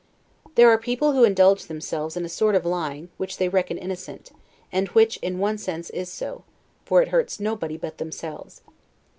There are people who indulge themselves in a sort of lying, which they reckon innocent, and which in one sense is so; for it hurts nobody but themselves.